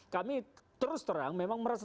kami terus terang memang merasa